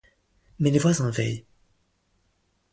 Mais les voisins veillent.